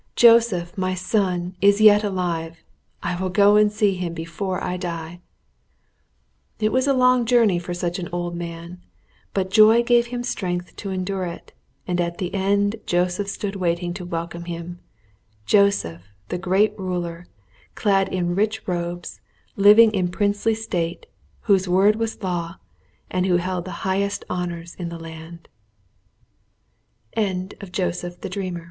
"Joseph, my son, is yet alive; I will go and see him before I die." It was a long journey for such an old man; but joy gave him strength to endure it, and at the end Joseph stood waiting to welcome him Joseph the great ruler, clad in rich robes, living in princely state, whose word was law, an